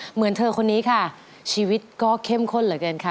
เหมือนเธอคนนี้ค่ะชีวิตก็เข้มข้นเหลือเกินค่ะ